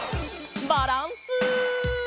バランス。